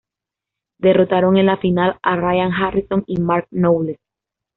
Derrotaron en la final a Ryan Harrison y Mark Knowles.